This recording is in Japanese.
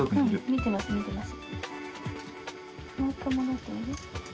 見てます、見てます。